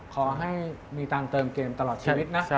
ขอให้มีตังค์เติมเกมตลอดชีวิตนะ